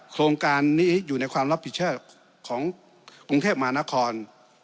โครงการนี้อยู่ในความรับผิดชอบของกรุงเทพมหานคร